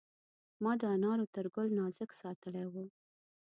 ما د انارو تر ګل نازک ساتلی و.